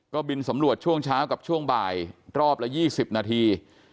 ก็บินสำรวจช่วงเช้ากับช่วงบ่ายรอบละ๒๐นาที